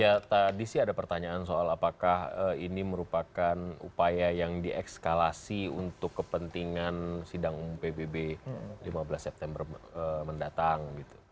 ya tadi sih ada pertanyaan soal apakah ini merupakan upaya yang diekskalasi untuk kepentingan sidang pbb lima belas september mendatang